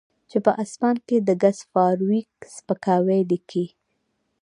چې په اسمان کې د ګس فارویک سپکاوی لیکي